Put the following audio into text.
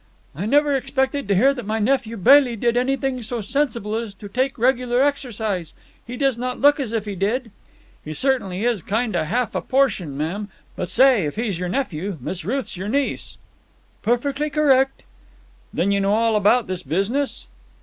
"I never expected to hear that my nephew Bailey did anything so sensible as to take regular exercise. He does not look as if he did." "He certainly is a kind o' half portion, ma'am. But say, if he's your nephew, Miss Ruth's your niece." "Perfectly correct." "Then you know all about this business?"